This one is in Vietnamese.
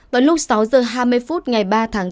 vào lúc sáu h hai mươi phút ngày ba tháng bốn